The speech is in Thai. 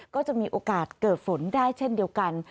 ก็จะมีโอกาสเกิดฝนได้เช่นเดียวกัน